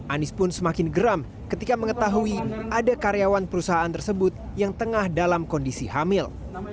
anies pun semakin geram ketika mengetahui ada karyawan perusahaan tersebut yang tengah dalam kondisi hamil